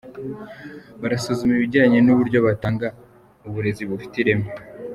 Barasuzuma ibijyanye n’uburyo batanga uburezi bifite ireme.